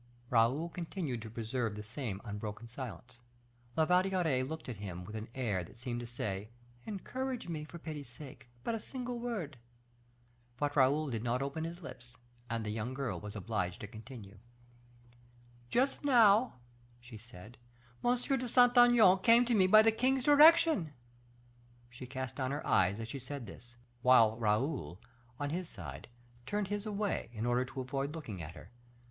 Raoul continued to preserve the same unbroken silence. La Valliere looked at him with an air that seemed to say, "Encourage me; for pity's sake, but a single word!" But Raoul did not open his lips; and the young girl was obliged to continue: "Just now," she said, "M. de Saint Aignan came to me by the king's directions." She cast down her eyes as she said this; while Raoul, on his side, turned his away, in order to avoid looking at her.